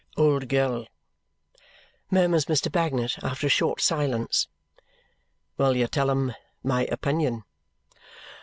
"Old girl," murmurs Mr. Bagnet after a short silence, "will you tell him my opinion?"